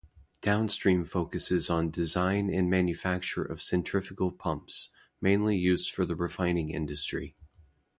Downstream focuses on design and manufacture of centrifugal pumps, mainly for the refining industry.